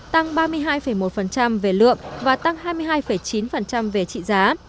tăng ba mươi hai một về lượng và tăng hai mươi hai chín về trị giá